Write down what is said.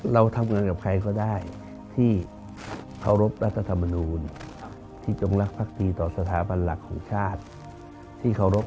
เราทำงานกับใครก็ได้ที่เคารพรัฐธรรมนูลที่จงรักภักดีต่อสถาบันหลักของชาติที่เคารพ